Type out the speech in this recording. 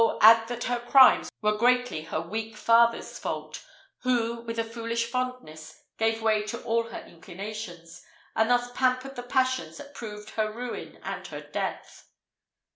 add that her crimes were greatly her weak father's fault, who, with a foolish fondness, gave way to all her inclinations, and thus pampered the passions that proved her ruin and her death."